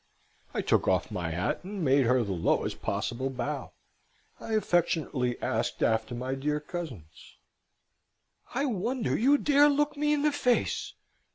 I took off my hat and made her the lowest possible bow. I affectionately asked after my dear cousins. "I I wonder you dare look me in the face!"